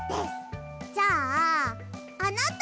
じゃああなた！